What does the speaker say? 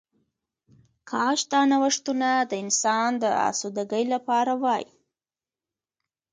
کاش دا نوښتونه د انسان د آسوده ګۍ لپاره وای